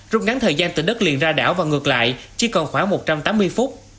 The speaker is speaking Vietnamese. rút ngắn thời gian từ đất liền ra đảo và ngược lại chỉ còn khoảng một trăm tám mươi phút